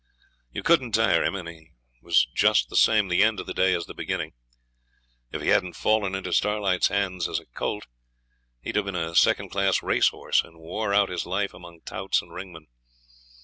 You couldn't tire him, and he was just the same the end of the day as the beginning. If he hadn't fallen into Starlight's hands as a colt he'd have been a second class racehorse, and wore out his life among touts and ringmen.